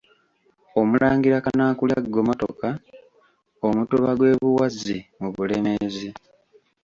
Omulangira Kanaakulya Ggomotoka, Omutuba gw'e Buwazzi mu Bulemeezi.